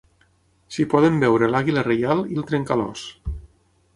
S'hi poden veure l'àguila reial i el trencalòs.